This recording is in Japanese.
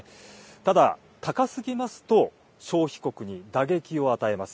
ただ、高すぎますと、消費国に打撃を与えます。